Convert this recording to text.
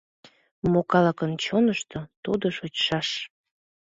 Мо калыкын чонышто — тудо шочшаш: